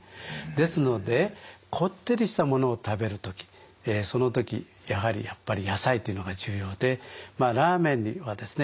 ですのでこってりしたものを食べる時その時やはり野菜というのが重要でラーメンはですね